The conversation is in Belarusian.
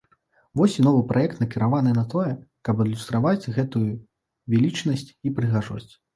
Вось і новы праект накіраваны на тое, каб адлюстраваць гэту велічнасць і прыгажосць.